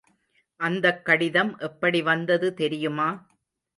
அந்தக் கடிதம் எப்படி வந்தது தெரியுமா?